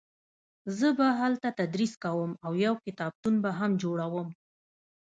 زه به هلته تدریس کوم او یو کتابتون به هم جوړوم